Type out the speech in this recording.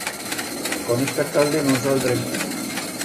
Con este alcalde no'n saldrem.